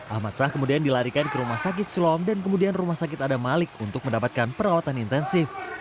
ahmad shah kemudian dilarikan ke rumah sakit shulom dan kemudian rumah sakit adamalik untuk mendapatkan perawatan intensif